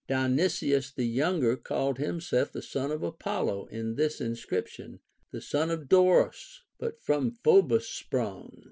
Dionysius the Younger called himself the son of Apollo in this in scription :— The son of Doris, but from Phoebus sprung.